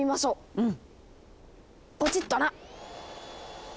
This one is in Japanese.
うん。